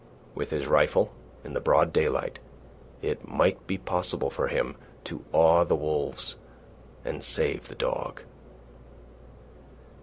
With his rifle, in the broad daylight, it might be possible for him to awe the wolves and save the dog.